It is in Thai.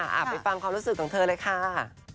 ไปฟังความรู้สึกของเธอเลยค่ะ